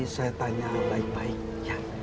saya tanya baik baiknya